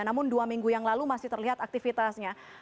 namun dua minggu yang lalu masih terlihat aktivitasnya